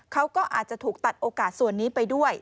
เขาก็อาจจะถูกตัดโอกาสส่วนนี้ไปด้วย